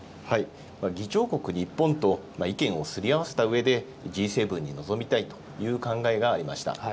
議長国、日本と意見をすり合わせたうえで、Ｇ７に臨みたいという考えがありました。